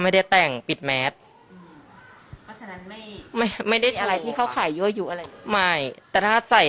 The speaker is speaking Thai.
ไม่ไม่ไม่ได้อะไรที่เขาขายยั่วยั่วอะไรไม่แต่ถ้าใส่